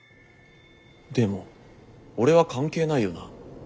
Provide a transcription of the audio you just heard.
でも俺は関係ないよな？